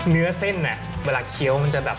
เนื้อเส้นเวลาเคี้ยวมันจะแบบ